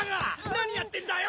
何やってんだよ